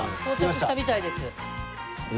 到着したみたいです。